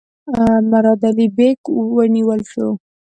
مراد علي بیګ ونیول شو.